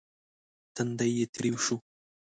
تندی يې تريو شو.